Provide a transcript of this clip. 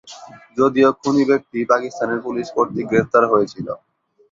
যদিও খুনি ব্যক্তি পাকিস্তানের পুলিশ কর্তৃক গ্রেফতার হয়েছিলো।